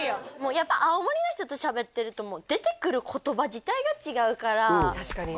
やっぱ青森の人としゃべってると出てくる言葉自体が違うから確かにね